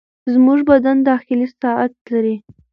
زموږ بدن داخلي ساعت لري.